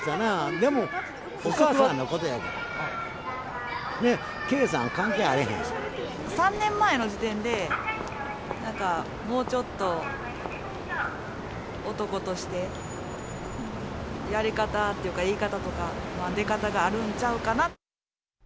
でも、お母さんのことやからね、３年前の時点で、なんかもうちょっと男として、やり方っていうか、言い方とか、出方があるんちゃうかな。